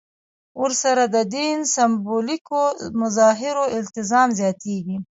ورسره د دین سېمبولیکو مظاهرو التزام زیاتېږي.